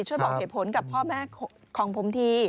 ช่วยบอกเหตุผลกับพ่อแม่ของผมที